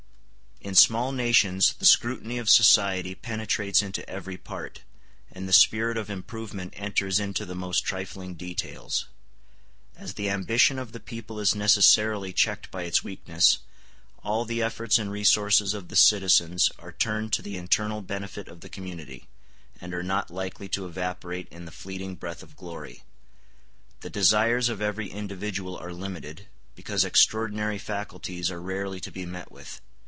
In small nations the scrutiny of society penetrates into every part, and the spirit of improvement enters into the most trifling details; as the ambition of the people is necessarily checked by its weakness, all the efforts and resources of the citizens are turned to the internal benefit of the community, and are not likely to evaporate in the fleeting breath of glory. The desires of every individual are limited, because extraordinary faculties are rarely to be met with.